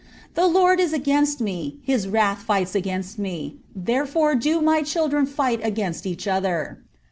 Thr Lord in agniiiBt me, hla wrvth fi»hls against me, iherefure do mj children fight a^insl each other